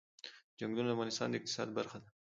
چنګلونه د افغانستان د اقتصاد برخه ده.